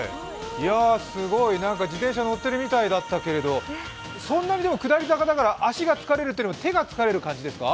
すごい、自転車乗ってるみたいだったけどそんなに下り坂だから、足が疲れるというよりは手が疲れる感じですか？